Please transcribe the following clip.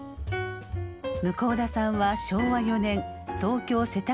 向田さんは昭和４年東京・世田谷生まれ。